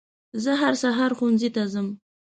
زه هر سهار ښوونځي ته ځم